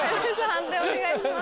判定お願いします。